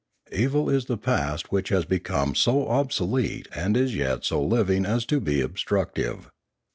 Evil is the past which has become so obsolete and is yet so living as to be obstructive.